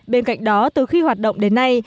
bên cạnh đó từ khi hoạt động đến nay